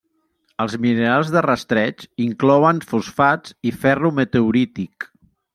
Els minerals de rastreig inclouen fosfats i ferro meteorític.